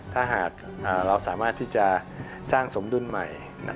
ถ้าหากเราสามารถที่จะสร้างสมดุลใหม่